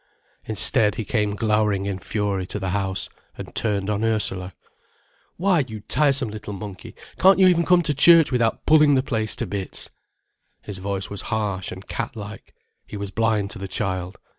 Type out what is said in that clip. Instead he came glowering in fury to the house, and turned on Ursula. "Why, you tiresome little monkey, can't you even come to church without pulling the place to bits?" His voice was harsh and cat like, he was blind to the child.